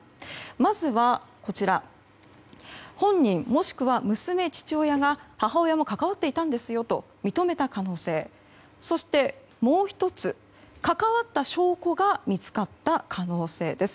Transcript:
まずは本人もしくは娘、父親が母親も関わっていたんですよと認めた可能性そして、もう１つ関わった証拠が見つかった可能性です。